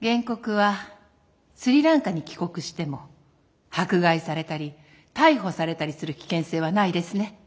原告はスリランカに帰国しても迫害されたり逮捕されたりする危険性はないですね？